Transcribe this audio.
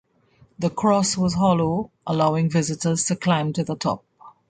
The cross was hollow, allowing visitors to climb to the top.